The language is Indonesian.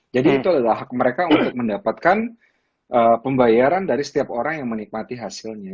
jadi itu adalah hak mereka untuk mendapatkan pembayaran dari setiap orang yang menikmati hasilnya